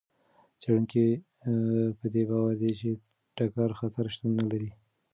څېړونکي په دې باور دي چې د ټکر خطر شتون نه لري.